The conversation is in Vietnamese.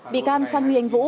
bị can phan huy anh vũ